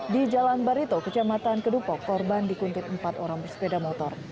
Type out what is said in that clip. di jalan barito kecamatan kedupok korban dikuntit empat orang bersepeda motor